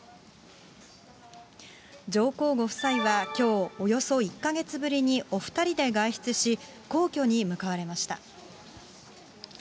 上皇ご夫妻はきょう、およそ１か月ぶりにお２人で外出し、皇居に向かわれました。